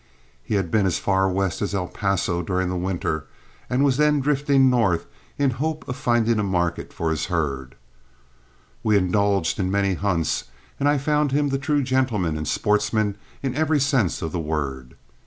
He had been as far west as El Paso during the winter, and was then drifting north in the hope of finding a market for his herd. We indulged in many hunts, and I found him the true gentleman and sportsman in every sense of the word.